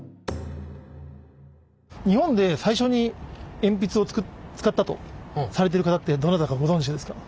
日本で最初に鉛筆を使ったとされてる方ってどなたかご存じですか？